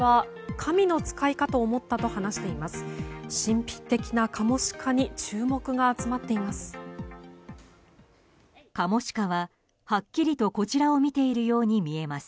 神秘的なカモシカに注目が集まっています。